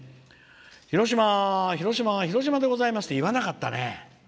「広島、広島広島でございます！」って言わなかったね。